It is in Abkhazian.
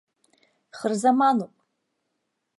Хырзамануп!